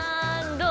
どう？